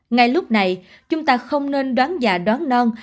ngay lúc này chúng ta không nên đoán giả đoán non